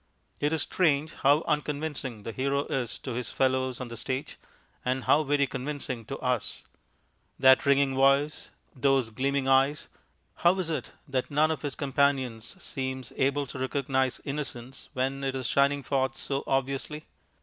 It is strange how unconvincing the Hero is to his fellows on the stage, and how very convincing to us. That ringing voice, those gleaming eyes how is it that none of his companions seems able to recognize Innocence when it is shining forth so obviously?